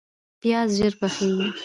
پیاز ژر پخیږي